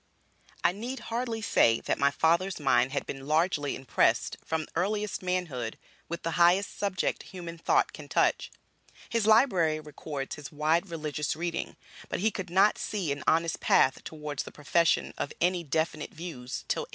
I need hardly say that my father's mind had been largely impressed, from earliest manhood, with the highest subject human thought can touch. His library records his wide religious reading; but he could not see an honest path towards the profession of any definite views till 1836.